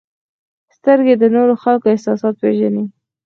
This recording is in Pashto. • سترګې د نورو خلکو احساسات پېژني.